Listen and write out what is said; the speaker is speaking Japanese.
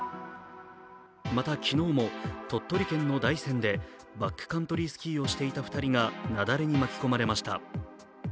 また昨日も鳥取県の大山でバックカントリースキーをしていた２人が雪崩に巻き込まれました。